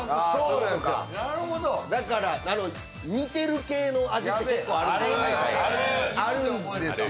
だから似てる系の味って結構あるんですよ。